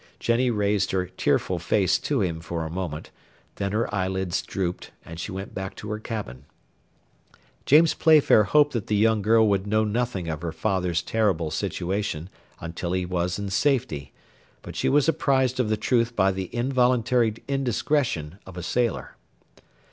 Jenny raised her tearful face to him for a moment, then her eyelids drooped, and she went back to her cabin. James Playfair hoped that the young girl would know nothing of her father's terrible situation until he was in safety, but she was apprised of the truth by the involuntary indiscretion of a sailor.